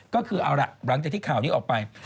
ก็คือเอาล่ะหลังจากที่ข่าวนี้ออกไป